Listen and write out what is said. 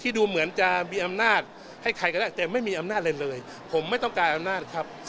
ดูเหมือนจะมีอำนาจให้ใครก็ได้แต่ไม่มีอำนาจอะไรเลยผมไม่ต้องการอำนาจครับ